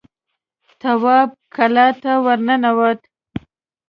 تواب کلا ته ور ننوت.